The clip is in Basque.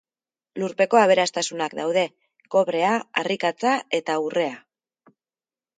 Lurpeko aberastasunak daude: kobrea, harrikatza eta urrea.